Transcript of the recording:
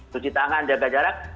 cuci tangan jaga jarak